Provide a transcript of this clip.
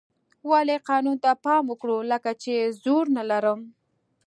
ولې قانون ته پام وکړو لکه چې زور نه لرم.